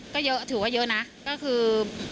ก็เยอะถือว่าเยอะนะก็คือ